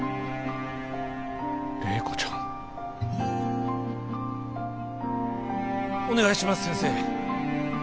麗子ちゃん。お願いします先生。